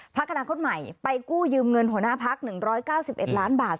อนาคตใหม่ไปกู้ยืมเงินหัวหน้าพัก๑๙๑ล้านบาท